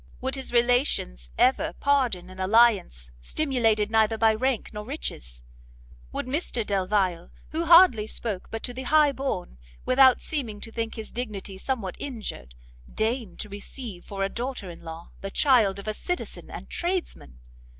Would his relations ever pardon an alliance stimulated neither by rank nor riches? would Mr Delvile, who hardly ever spoke but to the high born, without seeming to think his dignity somewhat injured, deign to receive for a daughter in law the child of a citizen and tradesman?